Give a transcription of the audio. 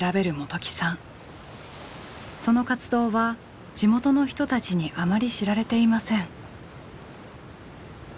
その活動は地元の人たちにあまり知られていません。